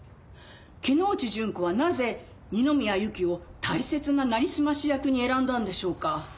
木之内順子はなぜ二宮ゆきを大切ななりすまし役に選んだんでしょうか？